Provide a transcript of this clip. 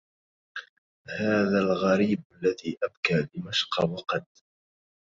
هذا الغريب الذي أبكى دمشق وقد